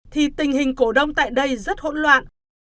thì tình hình cổ đông tại đây rất hỗn loạn